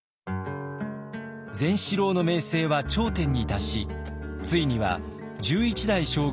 善四郎の名声は頂点に達しついには１１代将軍